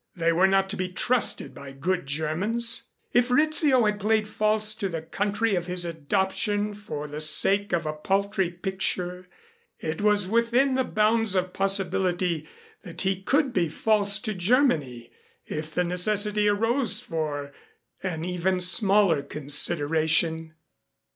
They were not to be trusted by good Germans. If Rizzio had played false to the country of his adoption for the sake of a paltry picture, it was within the bounds of possibility that he could be false to Germany if the necessity arose for an even smaller consideration.